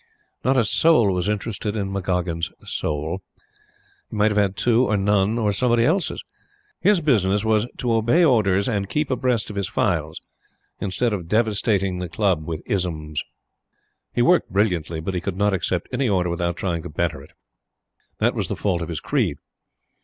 Not a soul was interested in McGoggin's soul. He might have had two, or none, or somebody's else's. His business was to obey orders and keep abreast of his files instead of devastating the Club with "isms." He worked brilliantly; but he could not accept any order without trying to better it. That was the fault of his creed.